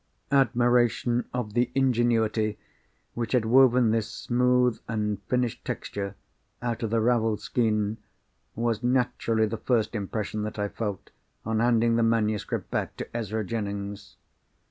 '" Admiration of the ingenuity which had woven this smooth and finished texture out of the ravelled skein was naturally the first impression that I felt, on handing the manuscript back to Ezra Jennings.